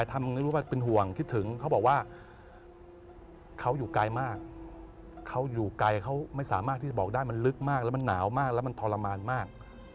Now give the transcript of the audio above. ทำให้รู้ว่าเป็นห่วงคิดถึงเขาบอกว่าเขาอยู่ไกลมากเขาอยู่ไกลเขาไม่สามารถที่จะบอกได้มันลึกมากแล้วมันหนาวมากแล้วมันทรมานมาก